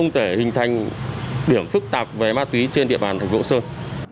thành điểm phức tạp về ma túy trên địa bàn thành vũ sơn